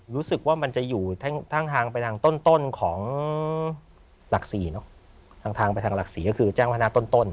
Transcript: รู้สึกว่ามันจะอยู่ข้างทางไปทางต้นของหลัก๔เนอะทางไปทางหลักศรีก็คือแจ้งพัฒนาต้น